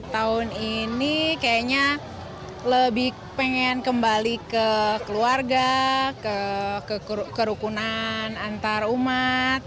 tahun ini kayaknya lebih pengen kembali ke keluarga kerukunan antar umat